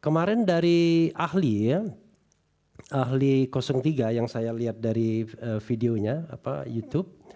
kemarin dari ahli ahli tiga yang saya lihat dari videonya youtube